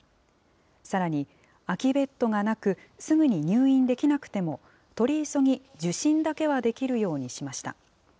さらに、空きベッドがなく、すぐに入院できなくても、取り急ぎ受診だけはできるようにしました。